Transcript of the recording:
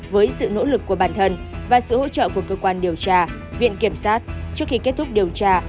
với sự nỗ lực của bản thân và sự hỗ trợ của cơ quan điều tra viện kiểm sát trước khi kết thúc điều tra